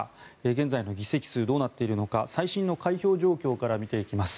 現在の議席数どうなっているのか最新の開票状況から見ていきます。